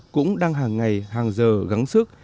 cũng đang hàng ngày hàng giờ gắn sức